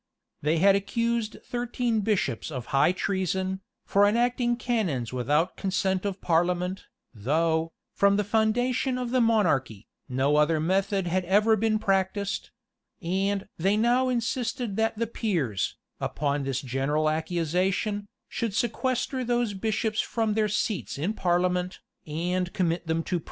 [] They had accused thirteen bishops of high treason, for enacting canons without consent of parliament,[] though, from the foundation of the monarchy, no other method had ever been practised: and they now insisted that the peers, upon this general accusation, should sequester those bishops from their seats in parliament, and commit them to prison.